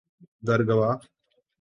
Dargwa